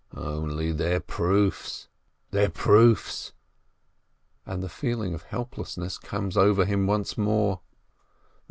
"Only their proofs, their proofs!" and the feeling of helplessness comes over him once more.